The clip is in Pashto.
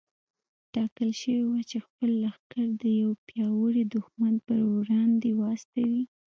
ټاکل شوې وه چې خپل لښکر د يوه پياوړي دښمن پر وړاندې واستوي.